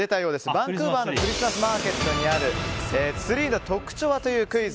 バンクーバーのクリスマスマーケットにあるツリーの特徴は？というクイズ。